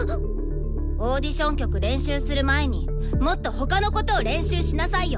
オーディション曲練習する前にもっと他のことを練習しなさいよ！